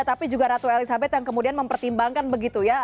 tapi juga ratu elizabeth yang kemudian mempertimbangkan begitu ya